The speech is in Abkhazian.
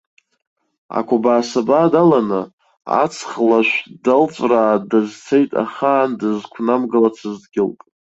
Ақәабаа-сабаа даланы, аҵх лашә далҵәраа дазцеит ахаан дызқәнамгалацыз дгьылк.